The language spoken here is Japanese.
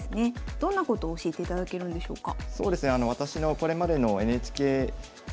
どんなことを教えていただけるんでしょうか？